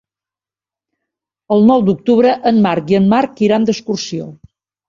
El nou d'octubre en Marc i en Marc iran d'excursió.